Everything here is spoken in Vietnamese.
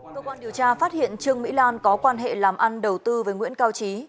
cơ quan điều tra phát hiện trương mỹ lan có quan hệ làm ăn đầu tư với nguyễn cao trí